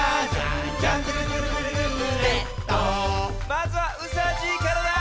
まずはうさじいからだ！